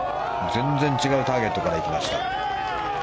全然違うターゲットから行きました。